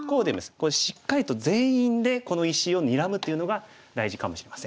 しっかりと全員でこの石をにらむというのが大事かもしれません。